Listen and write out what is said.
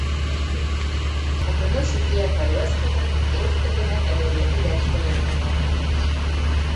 Ҡатыны Суфия Фәрүәз ҡыҙы урыҫ теле һәм әҙәбиәте дәрестәрен уҡыта.